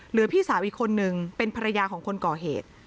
พี่สาวอีกคนนึงเป็นภรรยาของคนก่อเหตุ